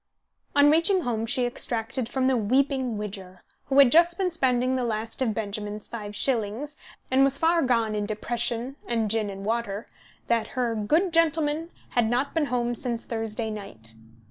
On reaching home she extracted from the weeping Widger, who had just been spending the last of Benjamin's five shillings, and was far gone in depression and gin and water, that her "good gentleman" had not been home since Thursday night.